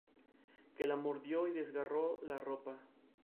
Tomaba la vida de la soprano mexicana legendaria, Ángela Peralta.